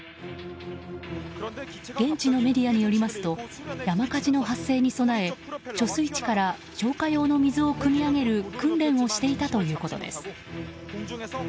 現地のメディアによりますと山火事の発生に備え貯水池から消火用の水をくみ上げる訓練をしていたということです。